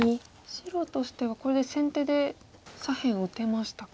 白としてはこれで先手で左辺を打てましたか。